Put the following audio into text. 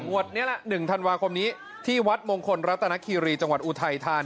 วันนี้ละ๑ธันวาคมนี้ที่วัดมงคลรัตนคีรีจังหวัดอุทัยธาน